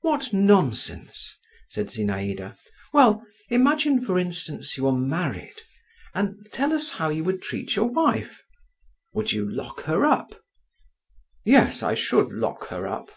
"What nonsense!" said Zinaïda. "Well, imagine, for instance, you are married, and tell us how you would treat your wife. Would you lock her up?" "Yes, I should lock her up."